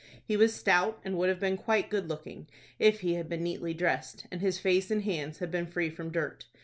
He was stout, and would have been quite good looking, if he had been neatly dressed, and his face and hands had been free from dirt.